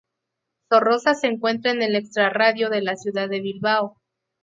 Zorroza se encuentra en el extrarradio de la ciudad de Bilbao.